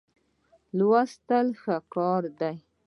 لوستل ښه کار دی.